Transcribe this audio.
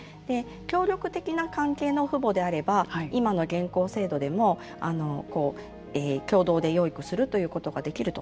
協力的な関係の父母であれば今の現行制度でも共同で養育するということができると。